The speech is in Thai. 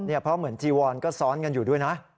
เพราะเหมือนจีวอนก็ซ้อนกันอยู่ด้วยนะ